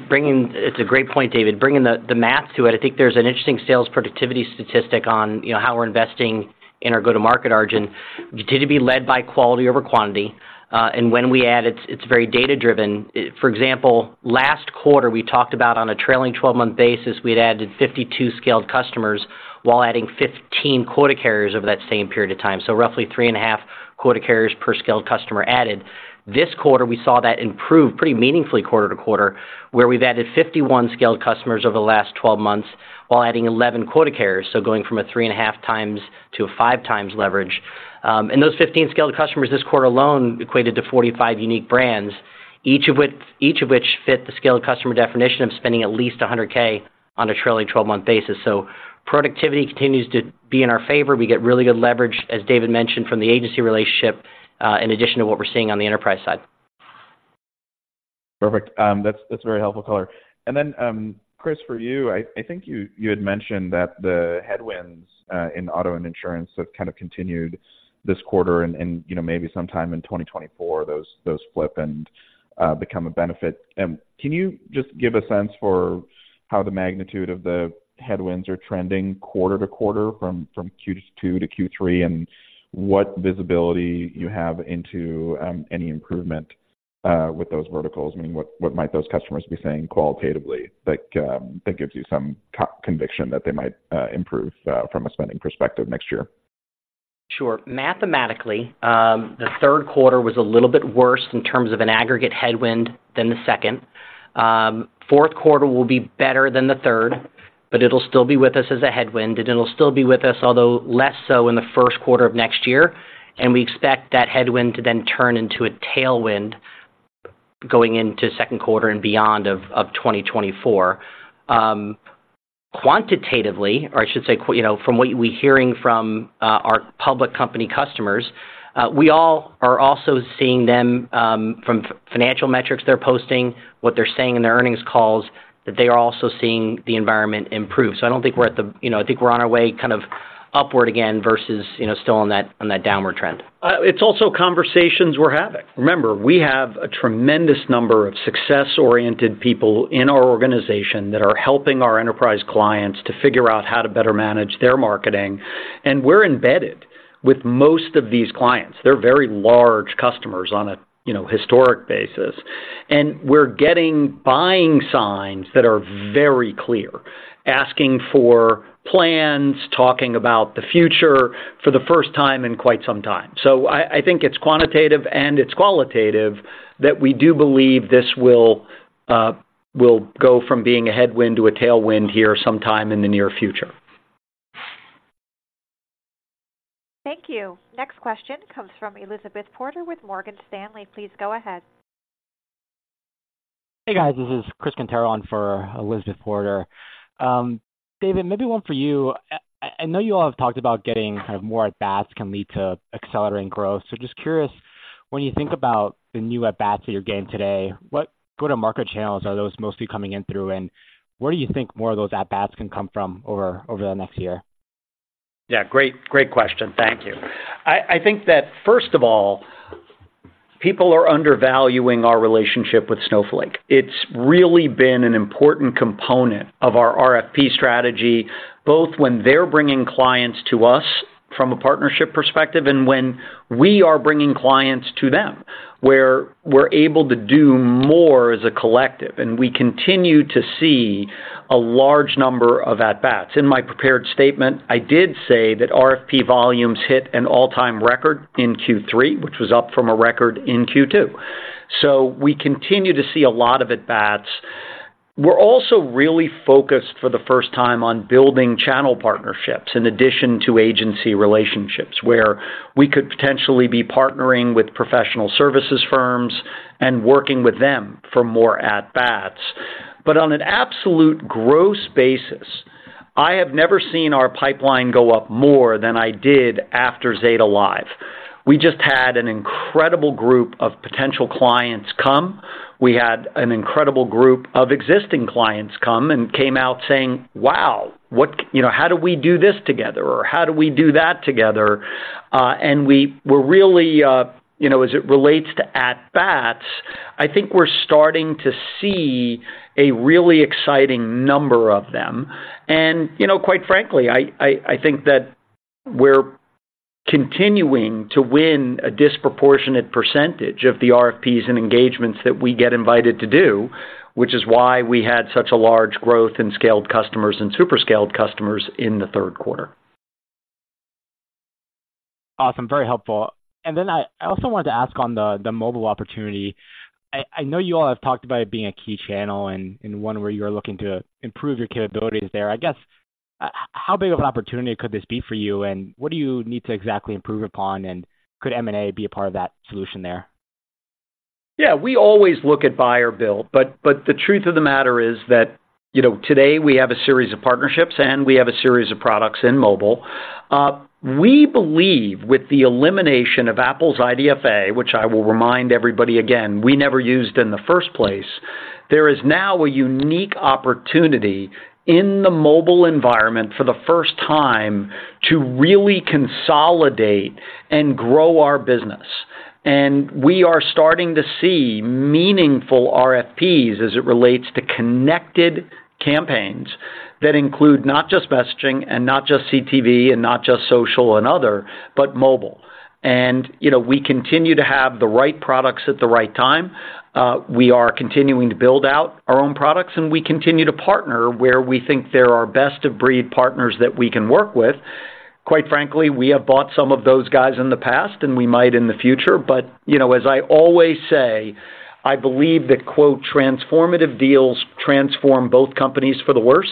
It's a great point, David. Bringing the math to it, I think there's an interesting sales productivity statistic on, you know, how we're investing in our go-to-market, Arjun. Continue to be led by quality over quantity, and when we add, it's very data-driven. For example, last quarter, we talked about on a trailing 12-month basis, we'd added 52 scaled customers while adding 15 quota carriers over that same period of time. So roughly 3.5 quota carriers per scaled customer added. This quarter, we saw that improve pretty meaningfully quarter-over-quarter, where we've added 51 scaled customers over the last 12 months while adding 11 quota carriers. So going from a 3.5 times to a 5 times leverage. Those 15 scaled customers this quarter alone equated to 45 unique brands, each of which, each of which fit the scaled customer definition of spending at least $100,000 on a trailing twelve-month basis. Productivity continues to be in our favor. We get really good leverage, as David mentioned, from the agency relationship, in addition to what we're seeing on the enterprise side. Perfect. That's, that's a very helpful color. And then, Chris, for you, I, I think you, you had mentioned that the headwinds in auto and insurance have kind of continued this quarter and, and, you know, maybe sometime in 2024, those, those flip and become a benefit. Can you just give a sense for how the magnitude of the headwinds are trending quarter to quarter from Q2 to Q3, and what visibility you have into any improvement with those verticals? I mean, what, what might those customers be saying qualitatively? Like, that gives you some conviction that they might improve from a spending perspective next year. Sure. Mathematically, the 3Q was a little bit worse in terms of an aggregate headwind than the second. 4Q will be better than the third, but it'll still be with us as a headwind, and it'll still be with us, although less so in the 1Q of next year, and we expect that headwind to then turn into a tailwind going into 2Q and beyond of 2024. Quantitatively, or I should say, you know, from what we're hearing from our public company customers, we all are also seeing them from financial metrics they're posting, what they're saying in their earnings calls, that they are also seeing the environment improve. So I don't think we're at the... You know, I think we're on our way, kind of- ... upward again versus, you know, still on that, on that downward trend. It's also conversations we're having. Remember, we have a tremendous number of success-oriented people in our organization that are helping our enterprise clients to figure out how to better manage their marketing, and we're embedded with most of these clients. They're very large customers on a, you know, historic basis, and we're getting buying signs that are very clear, asking for plans, talking about the future for the first time in quite some time. So I think it's quantitative and it's qualitative, that we do believe this will go from being a headwind to a tailwind here sometime in the near future. Thank you. Next question comes from Elizabeth Porter with Morgan Stanley. Please go ahead. Hey, guys, this is Chris Quintero on for Elizabeth Porter. David, maybe one for you. I know you all have talked about getting kind of more at-bats can lead to accelerating growth. So just curious, when you think about the new at-bats that you're getting today, what go-to-market channels are those mostly coming in through, and where do you think more of those at-bats can come from over the next year? Yeah, great, great question. Thank you. I, I think that, first of all, people are undervaluing our relationship with Snowflake. It's really been an important component of our RFP strategy, both when they're bringing clients to us from a partnership perspective, and when we are bringing clients to them, where we're able to do more as a collective, and we continue to see a large number of at-bats. In my prepared statement, I did say that RFP volumes hit an all-time record in Q3, which was up from a record in Q2. So we continue to see a lot of at-bats. We're also really focused for the first time on building channel partnerships, in addition to agency relationships, where we could potentially be partnering with professional services firms and working with them for more at-bats. But on an absolute gross basis, I have never seen our pipeline go up more than I did after Zeta Live. We just had an incredible group of potential clients come. We had an incredible group of existing clients come and came out saying: "Wow! What you know, how do we do this together?" Or, "How do we do that together?" And we're really, you know, as it relates to at-bats, I think we're starting to see a really exciting number of them. And, you know, quite frankly, I think that we're continuing to win a disproportionate percentage of the RFPs and engagements that we get invited to do, which is why we had such a large growth in scaled customers and super scaled customers in the 3Q. Awesome. Very helpful. And then I also wanted to ask on the mobile opportunity. I know you all have talked about it being a key channel and one where you're looking to improve your capabilities there. I guess, how big of an opportunity could this be for you, and what do you need to exactly improve upon, and could M&A be a part of that solution there? Yeah, we always look at buy or build, but, but the truth of the matter is that, you know, today we have a series of partnerships, and we have a series of products in mobile. We believe with the elimination of Apple's IDFA, which I will remind everybody again, we never used in the first place, there is now a unique opportunity in the mobile environment for the first time, to really consolidate and grow our business. And we are starting to see meaningful RFPs as it relates to connected campaigns that include not just messaging and not just CTV and not just social and other, but mobile. And, you know, we continue to have the right products at the right time. We are continuing to build out our own products, and we continue to partner where we think there are best-of-breed partners that we can work with. Quite frankly, we have bought some of those guys in the past, and we might in the future. But, you know, as I always say, I believe that, quote, "transformative deals transform both companies for the worse."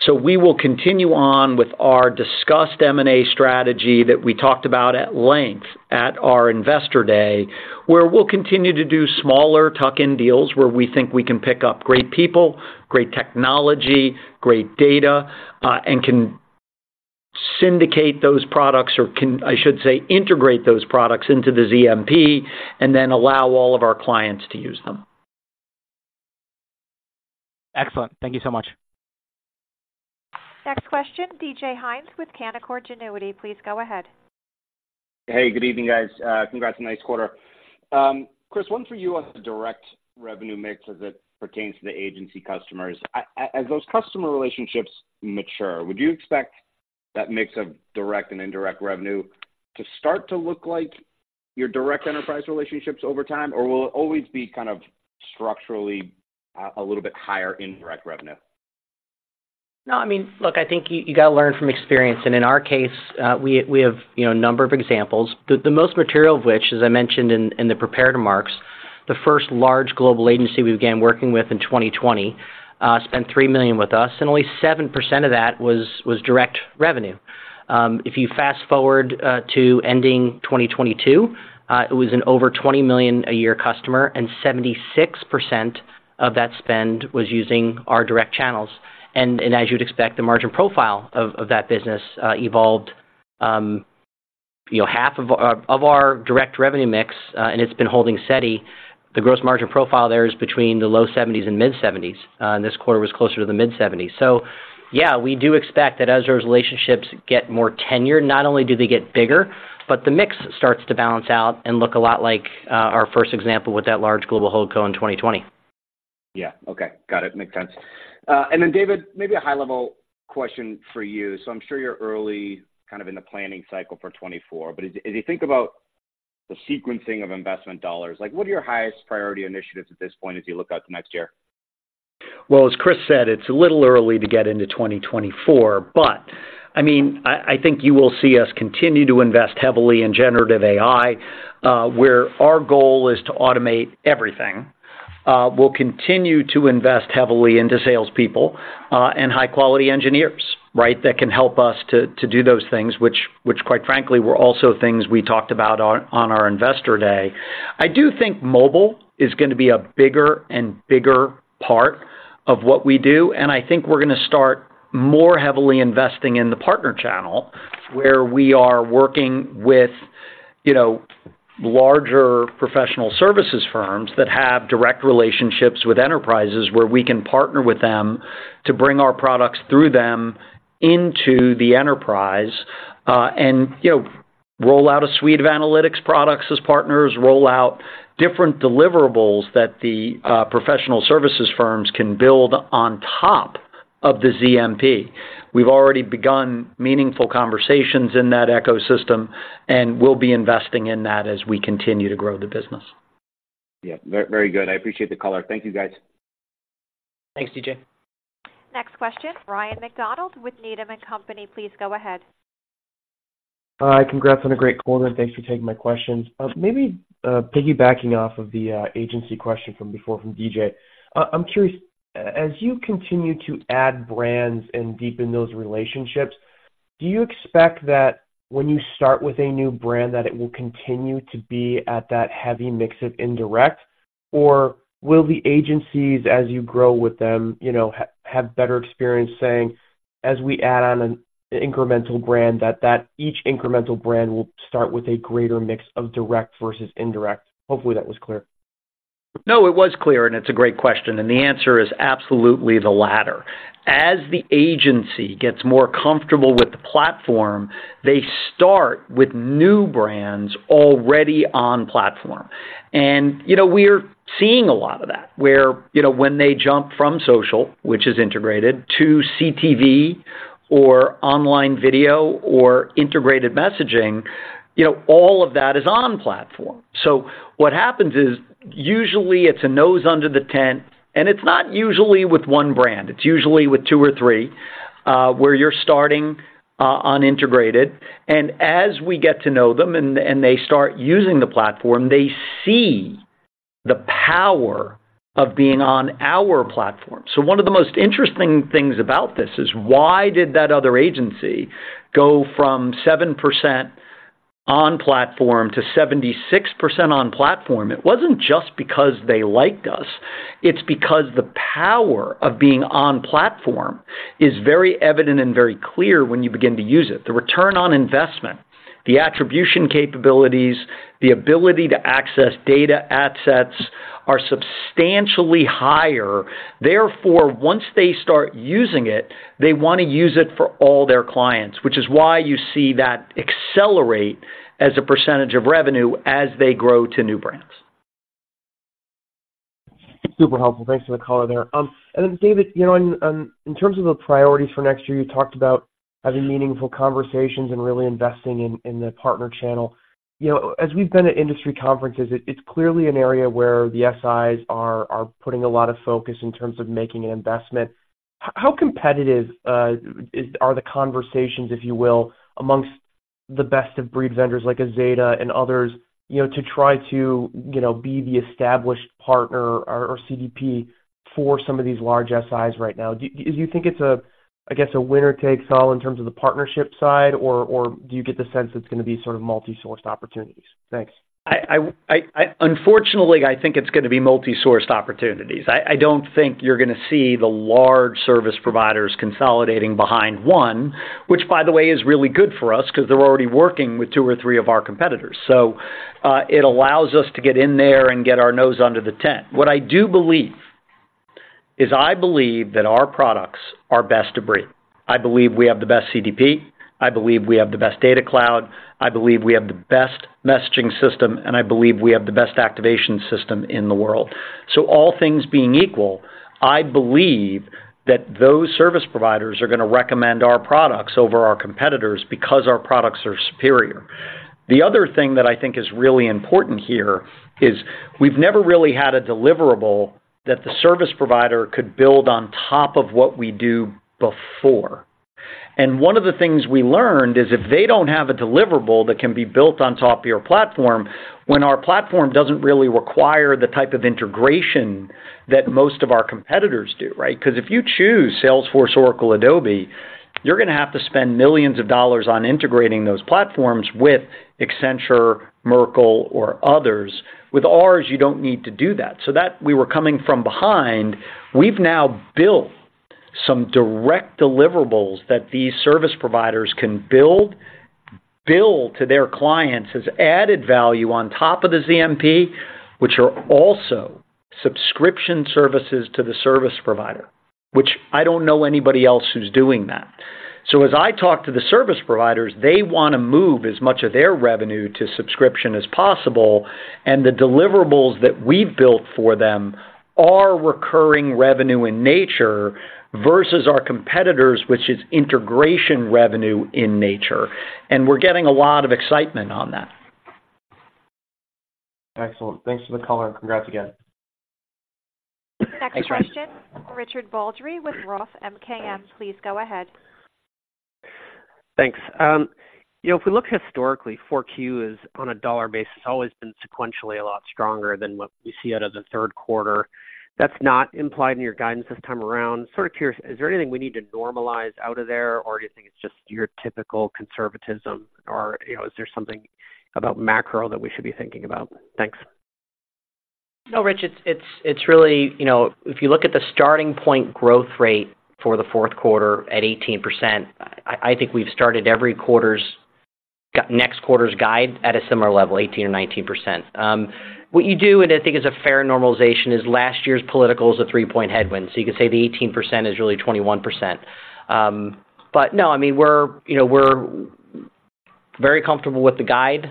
So we will continue on with our discussed M&A strategy that we talked about at length at our Investor Day, where we'll continue to do smaller tuck-in deals, where we think we can pick up great people, great technology, great data, and can syndicate those products, or can, I should say, integrate those products into the ZMP, and then allow all of our clients to use them. Excellent. Thank you so much. Next question, DJ Hynes with Canaccord Genuity. Please go ahead. Hey, good evening, guys. Congrats on nice quarter. Chris, one for you on the direct revenue mix as it pertains to the agency customers. As those customer relationships mature, would you expect that mix of direct and indirect revenue to start to look like your direct enterprise relationships over time? Or will it always be kind of structurally a little bit higher in direct revenue? No, I mean, look, I think you, you got to learn from experience, and in our case, we, we have, you know, a number of examples. The most material of which, as I mentioned in the prepared remarks, the first large global agency we began working with in 2020 spent $3 million with us, and only 7% of that was direct revenue. If you fast-forward to ending 2022, it was an over $20 million a year customer, and 76% of that spend was using our direct channels. And as you'd expect, the margin profile of that business evolved, you know, half of our direct revenue mix, and it's been holding steady. The gross margin profile there is between the low 70s and mid-70s, and this quarter was closer to the mid-70s. So yeah, we do expect that as those relationships get more tenured, not only do they get bigger, but the mix starts to balance out and look a lot like our first example with that large global hold co in 2020. Yeah. Okay. Got it. Makes sense. And then, David, maybe a high-level question for you. So I'm sure you're early, kind of in the planning cycle for 2024, but as, as you think about the sequencing of investment dollars, like, what are your highest priority initiatives at this point as you look out to next year? Well, as Chris said, it's a little early to get into 2024, but, I mean, I think you will see us continue to invest heavily in generative AI, where our goal is to automate everything. We'll continue to invest heavily into salespeople, and high-quality engineers, right? That can help us to do those things, which, quite frankly, were also things we talked about on our investor day. I do think mobile is gonna be a bigger and bigger part of what we do, and I think we're gonna start more heavily investing in the partner channel, where we are working with, you know, larger professional services firms that have direct relationships with enterprises, where we can partner with them to bring our products through them into the enterprise. And you know, roll out a suite of analytics products as partners, roll out different deliverables that the professional services firms can build on top of the ZMP. We've already begun meaningful conversations in that ecosystem, and we'll be investing in that as we continue to grow the business. Yeah. Very, very good. I appreciate the call. Thank you, guys. Thanks, DJ. Next question, Ryan MacDonald with Needham and Company. Please go ahead. Hi, congrats on a great quarter, and thanks for taking my questions. Maybe, piggybacking off of the agency question from before from DJ, I'm curious, as you continue to add brands and deepen those relationships, do you expect that when you start with a new brand, that it will continue to be at that heavy mix of indirect? Or will the agencies, as you grow with them, you know, have better experience saying, as we add on an incremental brand, that, that each incremental brand will start with a greater mix of direct versus indirect? Hopefully, that was clear. No, it was clear, and it's a great question, and the answer is absolutely the latter. As the agency gets more comfortable with the platform, they start with new brands already on platform. And, you know, we're seeing a lot of that, where, you know, when they jump from social, which is integrated, to CTV or online video or integrated messaging, you know, all of that is on platform. So what happens is, usually it's a nose under the tent, and it's not usually with one brand. It's usually with two or three, where you're starting on integrated, and as we get to know them and, and they start using the platform, they see the power of being on our platform. So one of the most interesting things about this is, why did that other agency go from 7% on platform to 76% on platform? It wasn't just because they liked us, it's because the power of being on platform is very evident and very clear when you begin to use it. The return on investment, the attribution capabilities, the ability to access data assets are substantially higher. Therefore, once they start using it, they wanna use it for all their clients, which is why you see that accelerate as a percentage of revenue as they grow to new brands. Super helpful. Thanks for the call there. And then, David, you know, in, in terms of the priorities for next year, you talked about having meaningful conversations and really investing in, in the partner channel. You know, as we've been at industry conferences, it, it's clearly an area where the SIs are putting a lot of focus in terms of making an investment. How competitive are the conversations, if you will, amongst the best of breed vendors like a Zeta and others, you know, to try to, you know, be the established partner or, or CDP for some of these large SIs right now? Do you think it's a, I guess, a winner takes all in terms of the partnership side, or, or do you get the sense it's gonna be sort of multi-sourced opportunities? Thanks. Unfortunately, I think it's gonna be multi-sourced opportunities. I don't think you're gonna see the large service providers consolidating behind one, which, by the way, is really good for us 'cause they're already working with two or three of our competitors. So, it allows us to get in there and get our nose under the tent. What I do believe is, I believe that our products are best of breed. I believe we have the best CDP, I believe we have the best data cloud, I believe we have the best messaging system, and I believe we have the best activation system in the world. So all things being equal, I believe that those service providers are gonna recommend our products over our competitors because our products are superior. The other thing that I think is really important here is we've never really had a deliverable that the service provider could build on top of what we do before. And one of the things we learned is, if they don't have a deliverable that can be built on top of your platform, when our platform doesn't really require the type of integration that most of our competitors do, right? Because if you choose Salesforce, Oracle, Adobe, you're gonna have to spend millions of dollars on integrating those platforms with Accenture, Merkle, or others. With ours, you don't need to do that. So that we were coming from behind. We've now built-... Some direct deliverables that these service providers can build, bill to their clients as added value on top of the ZMP, which are also subscription services to the service provider, which I don't know anybody else who's doing that. So as I talk to the service providers, they wanna move as much of their revenue to subscription as possible, and the deliverables that we've built for them are recurring revenue in nature, versus our competitors, which is integration revenue in nature, and we're getting a lot of excitement on that. Excellent. Thanks for the color, and congrats again. Next question, Richard Baldry with Roth MKM. Please go ahead. Thanks. You know, if we look historically, Q4s, on a dollar basis, always been sequentially a lot stronger than what we see out of the 3Q. That's not implied in your guidance this time around. Sort of curious, is there anything we need to normalize out of there, or do you think it's just your typical conservatism? Or, you know, is there something about macro that we should be thinking about? Thanks. No, Rich, it's really, you know, if you look at the starting point growth rate for the 4Q at 18%, I think we've started every quarter's, next quarter's guide at a similar level, 18% or 19%. What you do, and I think it's a fair normalization, is last year's political is a 3-point headwind, so you could say the 18% is really 21%. But no, I mean, we're, you know, we're very comfortable with the guide,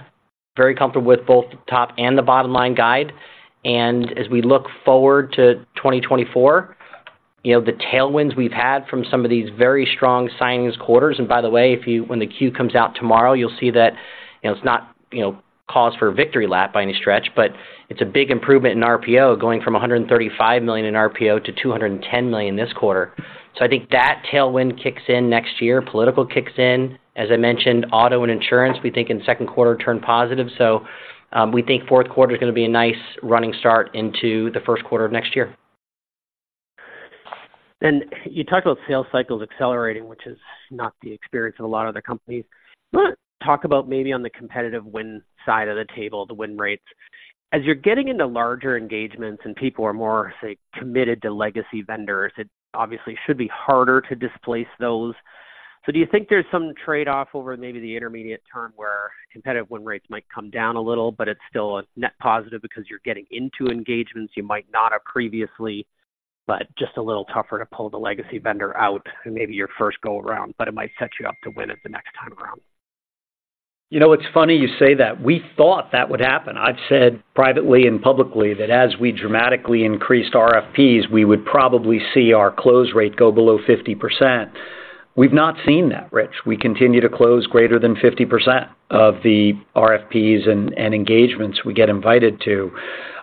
very comfortable with both the top and the bottom line guide. And as we look forward to 2024, you know, the tailwinds we've had from some of these very strong signings quarters... By the way, when the Q comes out tomorrow, you'll see that, you know, it's not, you know, cause for victory lap by any stretch, but it's a big improvement in RPO, going from $135 million in RPO to $210 million this quarter. So I think that tailwind kicks in next year. Political kicks in. As I mentioned, auto and insurance, we think in the 2Q, turn positive. So, we think 4Q is gonna be a nice running start into the 1Q of next year. Then, you talked about sales cycles accelerating, which is not the experience of a lot of other companies. But talk about maybe on the competitive win side of the table, the win rates. As you're getting into larger engagements and people are more, say, committed to legacy vendors, it obviously should be harder to displace those. So do you think there's some trade-off over maybe the intermediate term, where competitive win rates might come down a little, but it's still a net positive because you're getting into engagements you might not have previously, but just a little tougher to pull the legacy vendor out, and maybe your first go around, but it might set you up to win it the next time around? You know, it's funny you say that. We thought that would happen. I've said privately and publicly that as we dramatically increased RFPs, we would probably see our close rate go below 50%. We've not seen that, Rich. We continue to close greater than 50% of the RFPs and engagements we get invited to.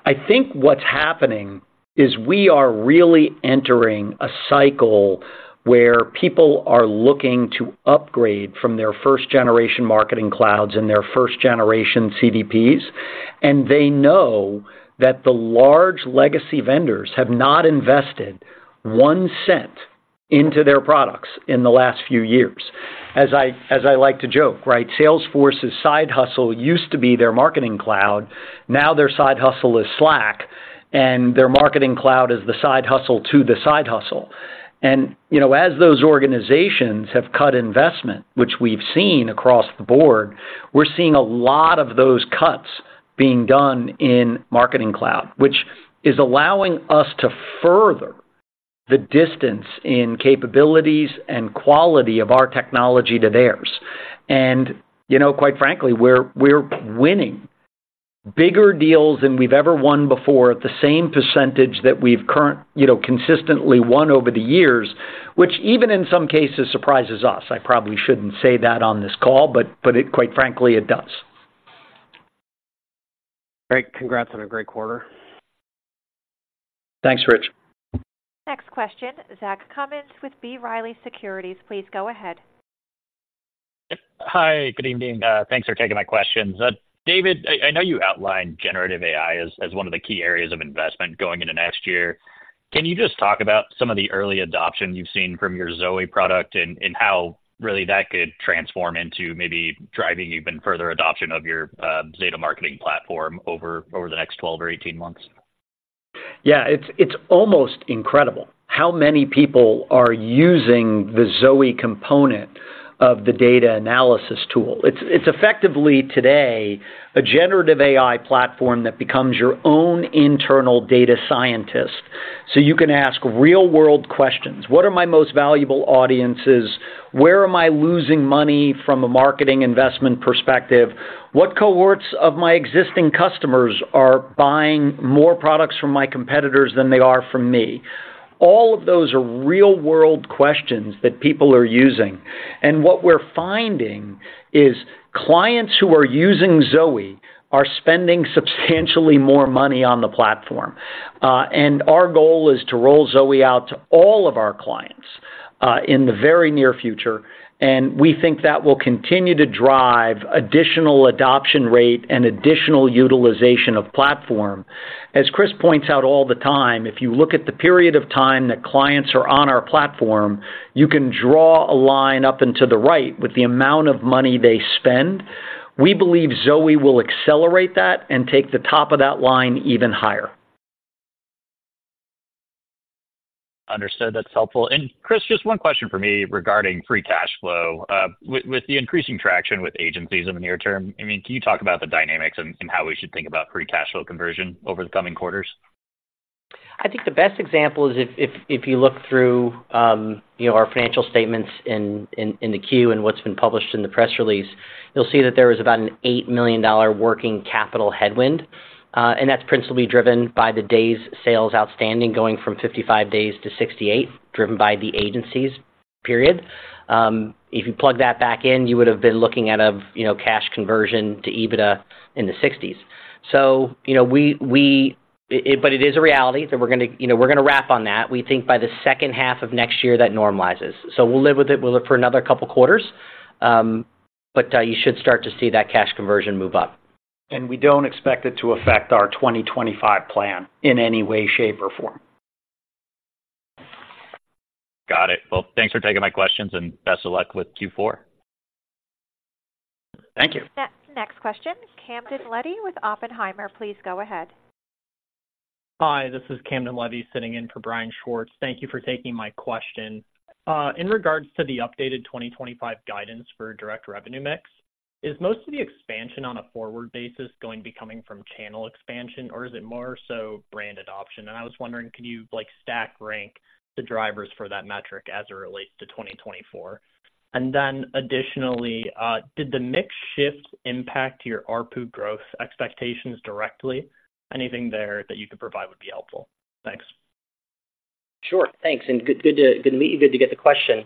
I think what's happening is we are really entering a cycle where people are looking to upgrade from their first-generation marketing clouds and their first-generation CDPs, and they know that the large legacy vendors have not invested one cent into their products in the last few years. As I, as I like to joke, right, Salesforce's side hustle used to be their marketing cloud. Now their side hustle is Slack, and their marketing cloud is the side hustle to the side hustle. And, you know, as those organizations have cut investment, which we've seen across the board, we're seeing a lot of those cuts being done in marketing cloud, which is allowing us to further the distance in capabilities and quality of our technology to theirs. And, you know, quite frankly, we're, we're winning bigger deals than we've ever won before, at the same percentage that we've you know, consistently won over the years, which even in some cases, surprises us. I probably shouldn't say that on this call, but, but it quite frankly, it does. Great. Congrats on a great quarter. Thanks, Rich. Next question, Zach Cummins with B. Riley Securities. Please go ahead. Hi, good evening. Thanks for taking my questions. David, I know you outlined generative AI as one of the key areas of investment going into next year. Can you just talk about some of the early adoption you've seen from your ZOE product and how really that could transform into maybe driving even further adoption of your data marketing platform over the next 12 or 18 months? Yeah, it's almost incredible how many people are using the ZOE component of the data analysis tool. It's effectively, today, a generative AI platform that becomes your own internal data scientist. So you can ask real-world questions: What are my most valuable audiences? Where am I losing money from a marketing investment perspective? What cohorts of my existing customers are buying more products from my competitors than they are from me? All of those are real-world questions that people are using, and what we're finding is clients who are using ZOE are spending substantially more money on the platform. And our goal is to roll ZOE out to all of our clients in the very near future, and we think that will continue to drive additional adoption rate and additional utilization of platform. As Chris points out all the time, if you look at the period of time that clients are on our platform, you can draw a line up and to the right with the amount of money they spend. We believe ZOE will accelerate that and take the top of that line even higher. Understood. That's helpful. Chris, just one question for me regarding Free Cash Flow. With the increasing traction with agencies in the near term, I mean, can you talk about the dynamics and how we should think about Free Cash Flow conversion over the coming quarters? I think the best example is if you look through, you know, our financial statements in the Q and what's been published in the press release, you'll see that there is about a $8 million working capital headwind. And that's principally driven by the days' sales outstanding, going from 55 days to 68, driven by the agencies period. If you plug that back in, you would have been looking at a, you know, cash conversion to EBITDA in the 60s. So, you know, but it is a reality that we're gonna, you know, we're gonna wrap on that. We think by the H2 of next year, that normalizes. So we'll live with it. We'll look for another couple of quarters, but you should start to see that cash conversion move up. We don't expect it to affect our 2025 plan in any way, shape, or form. Got it. Well, thanks for taking my questions, and best of luck with Q4. Thank you. Next question, Camden Levy with Oppenheimer. Please go ahead. Hi, this is Camden Levy, sitting in for Brian Schwartz. Thank you for taking my question. In regards to the updated 2025 guidance for direct revenue mix, is most of the expansion on a forward basis going to be coming from channel expansion, or is it more so brand adoption? And I was wondering, can you, like, stack rank the drivers for that metric as it relates to 2024? And then additionally, did the mix shift impact your ARPU growth expectations directly? Anything there that you could provide would be helpful. Thanks. Sure. Thanks, and good to meet you. Good to get the question.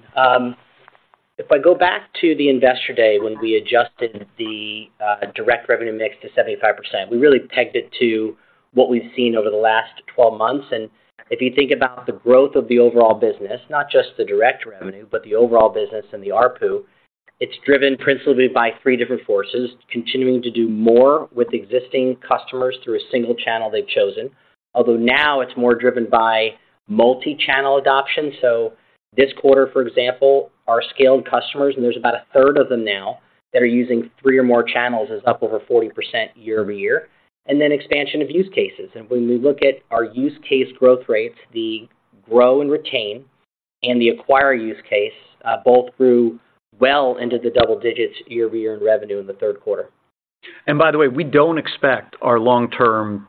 If I go back to the Investor Day, when we adjusted the direct revenue mix to 75%, we really pegged it to what we've seen over the last 12 months. And if you think about the growth of the overall business, not just the direct revenue, but the overall business and the ARPU, it's driven principally by three different forces, continuing to do more with existing customers through a single channel they've chosen. Although now it's more driven by multi-channel adoption. So this quarter, for example, our scaled customers, and there's about a third of them now, that are using three or more channels, is up over 40% year-over-year, and then expansion of use cases. When we look at our use case growth rates, the Grow and Retain and the Acquire use case, both grew well into the double digits year-over-year in revenue in the 3Q. And by the way, we don't expect our long-term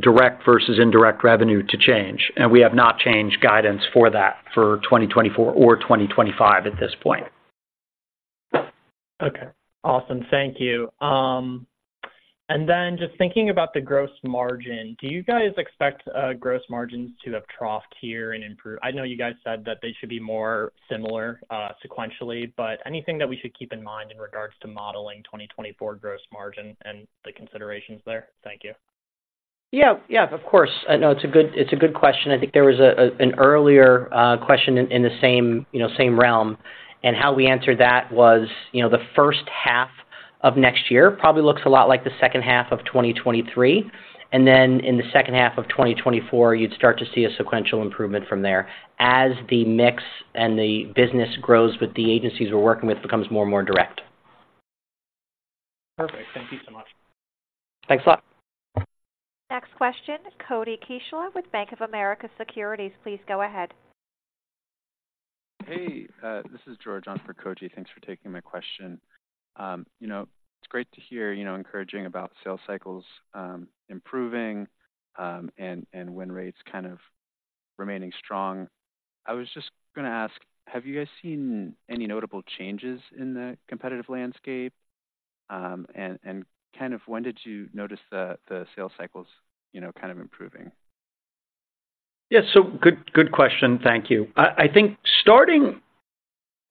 direct versus indirect revenue to change, and we have not changed guidance for that for 2024 or 2025 at this point. Okay, awesome. Thank you. And then just thinking about the gross margin, do you guys expect gross margins to have troughed here and improve? I know you guys said that they should be more similar sequentially, but anything that we should keep in mind in regards to modeling 2024 gross margin and the considerations there? Thank you. Yeah, yeah, of course. I know it's a good, it's a good question. I think there was an earlier question in the same, you know, same realm, and how we answered that was, you know, the H1 of next year probably looks a lot like the H2 of 2023, and then in the H2 of 2024, you'd start to see a sequential improvement from there as the mix and the business grows with the agencies we're working with becomes more and more direct. Perfect. Thank you so much. Thanks a lot. Next question, Koji Ikeda with Bank of America Securities. Please go ahead. Hey, this is George on for Koji. Thanks for taking my question. You know, it's great to hear, you know, encouraging about sales cycles improving, and win rates kind of remaining strong. I was just gonna ask, have you guys seen any notable changes in the competitive landscape? And kind of when did you notice the sales cycles, you know, kind of improving? Yes, good question. Thank you. I think starting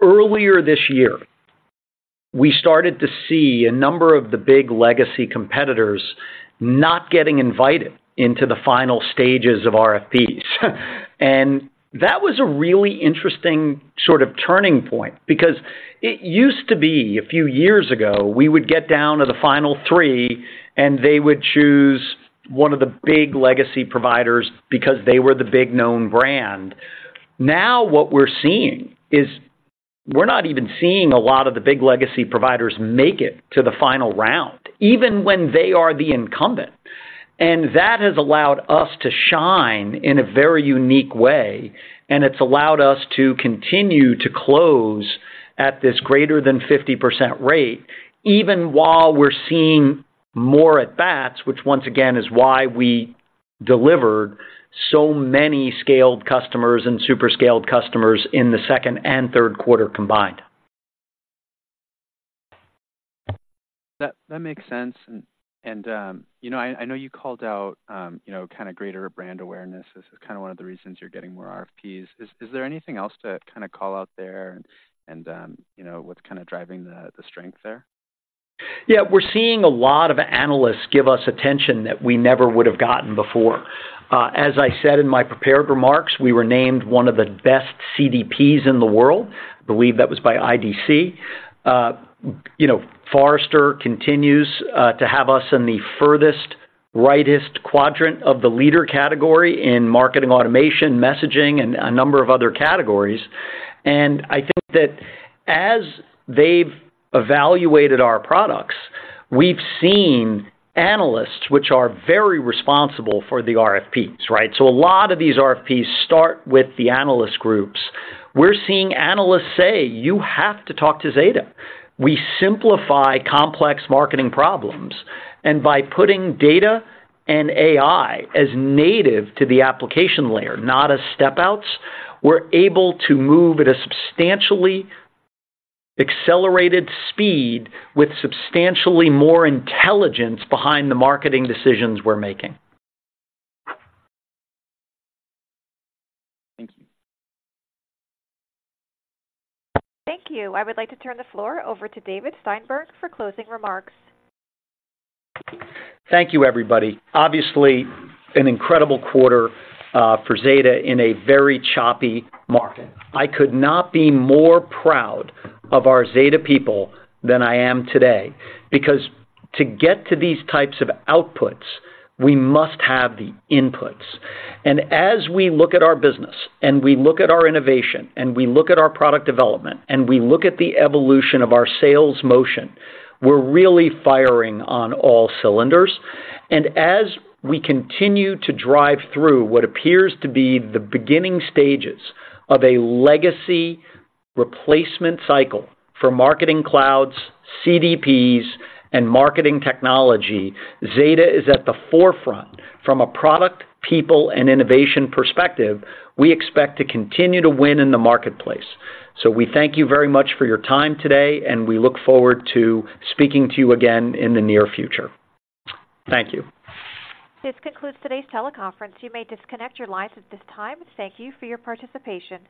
earlier this year, we started to see a number of the big legacy competitors not getting invited into the final stages of RFPs. That was a really interesting sort of turning point because it used to be, a few years ago, we would get down to the final three, and they would choose one of the big legacy providers because they were the big known brand. Now, what we're seeing is we're not even seeing a lot of the big legacy providers make it to the final round, even when they are the incumbent. And that has allowed us to shine in a very unique way, and it's allowed us to continue to close at this greater than 50% rate, even while we're seeing more at bats, which once again, is why we delivered so many scaled customers and super scaled customers in the second and 3Q combined. That makes sense. And you know, I know you called out you know, kind of greater brand awareness as kind of one of the reasons you're getting more RFPs. Is there anything else to kind of call out there and you know, what's kind of driving the strength there? Yeah, we're seeing a lot of analysts give us attention that we never would have gotten before. As I said in my prepared remarks, we were named one of the best CDPs in the world. I believe that was by IDC. You know, Forrester continues to have us in the furthest right quadrant of the leader category in marketing automation, messaging, and a number of other categories. I think that as they've evaluated our products, we've seen analysts, which are very responsible for the RFPs, right? So a lot of these RFPs start with the analyst groups. We're seeing analysts say, "You have to talk to Zeta." We simplify complex marketing problems, and by putting data and AI as native to the application layer, not as step outs, we're able to move at a substantially accelerated speed with substantially more intelligence behind the marketing decisions we're making. Thank you. Thank you. I would like to turn the floor over to David Steinberg for closing remarks. Thank you, everybody. Obviously, an incredible quarter for Zeta in a very choppy market. I could not be more proud of our Zeta people than I am today, because to get to these types of outputs, we must have the inputs. And as we look at our business, and we look at our innovation, and we look at our product development, and we look at the evolution of our sales motion, we're really firing on all cylinders. And as we continue to drive through what appears to be the beginning stages of a legacy replacement cycle for marketing clouds, CDPs, and marketing technology, Zeta is at the forefront. From a product, people, and innovation perspective, we expect to continue to win in the marketplace. So we thank you very much for your time today, and we look forward to speaking to you again in the near future. Thank you. This concludes today's teleconference. You may disconnect your lines at this time. Thank you for your participation.